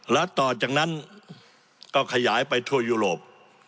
แล้วต่อจากนั้นก็ขยายไปทั่วยุโรป